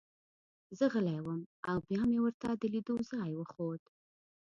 زه غلی وم او بیا مې ورته د لیدو ځای وښود